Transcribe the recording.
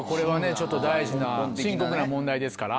ちょっと大事な深刻な問題ですから。